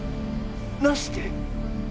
なして。